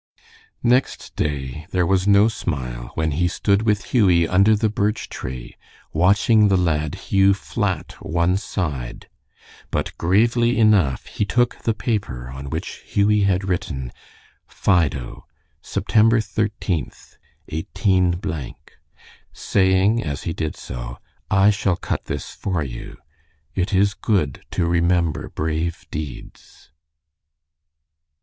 Next day there was no smile when he stood with Hughie under the birch tree, watching the lad hew flat one side, but gravely enough he took the paper on which Hughie had written, "Fido, Sept. 13th, 18 ," saying as he did so, "I shall cut this for you. It is good to remember brave deeds."